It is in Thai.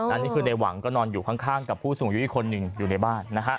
อันนี้คือในหวังก็นอนอยู่ข้างกับผู้สูงอายุอีกคนหนึ่งอยู่ในบ้านนะฮะ